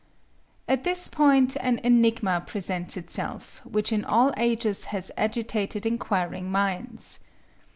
At this point an enigma presents itself which in all ages has agitated inquiring minds.